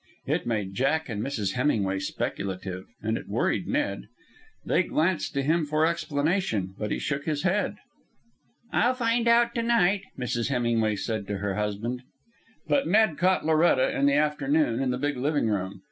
It made Jack and Mrs. Hemingway speculative, and it worried Ned. They glanced to him for explanation, but he shook his head. "I'll find out to night," Mrs. Hemingway said to her husband. But Ned caught Loretta in the afternoon in the big living room.